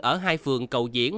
ở hai phường cầu diễn